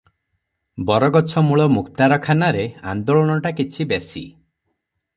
ବରଗଛ ମୂଳ ମୁକ୍ତାରଖାନାରେ ଆନ୍ଦୋଳନଟା କିଛି ବେଶି ।